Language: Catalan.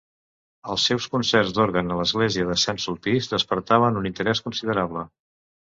Els seus concerts d'òrgan a l'església de Saint Sulpice despertaven un interès considerable.